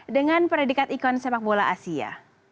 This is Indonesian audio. dengan predikat ikon sepak bola asia